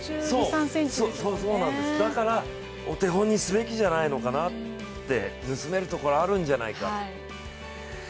だから、お手本にすべきじゃないのかなって盗めるところがあるんじゃないか。